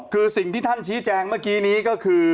คือสิ่งที่ท่านชี้แจงเมื่อกี้นี้ก็คือ